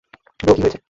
Bro, কী হয়েছে?